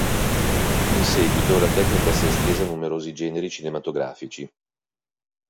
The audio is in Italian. In seguito, la tecnica si è estesa a numerosi generi cinematografici.